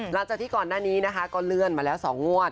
หลังจากที่ก่อนหน้านี้นะคะก็เลื่อนมาแล้ว๒งวด